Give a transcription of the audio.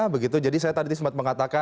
begitu jadi saya tadi sempat mengatakan